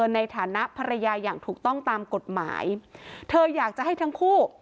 ในฐานะภรรยาอย่างถูกต้องตามกฎหมายเธออยากจะให้ทั้งคู่